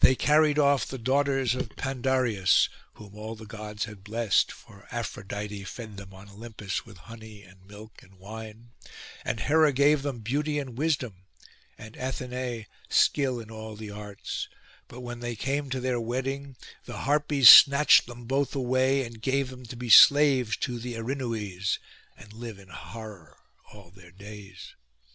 They carried off the daughters of Pandareus, whom all the Gods had blest; for Aphrodite fed them on Olympus with honey and milk and wine; and Hera gave them beauty and wisdom, and Athené skill in all the arts; but when they came to their wedding, the Harpies snatched them both away, and gave them to be slaves to the Erinnues, and live in horror all their days.